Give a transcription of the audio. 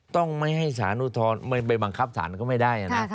ต้องไม่ให้สารอุทธรณ์ไปบังคับศาลก็ไม่ได้นะ